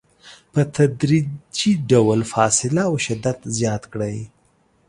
په تدریجي ډول فاصله او شدت زیات کړئ.